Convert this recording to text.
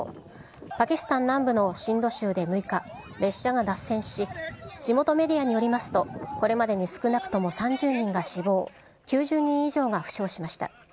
パキスタン南部のシンド州で６日、列車が脱線し、地元メディアによりますと、これまでに少なくとも３０人が死亡、９０人以上が負傷しました。